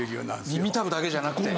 耳たぶだけじゃなくて？